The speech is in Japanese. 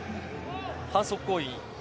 反則行為。